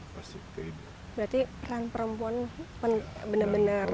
berarti peran perempuan benar benar